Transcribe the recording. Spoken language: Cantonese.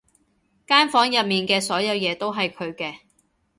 間房入面嘅所有嘢都係佢嘅